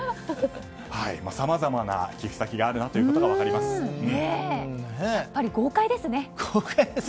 さまざまな寄付先があることが分かります。